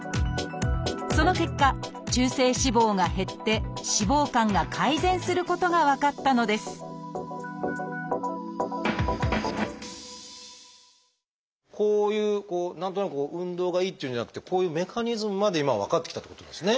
その結果中性脂肪が減って脂肪肝が改善することが分かったのですこういう何となく運動がいいっていうんじゃなくてこういうメカニズムまで今は分かってきたってことですね。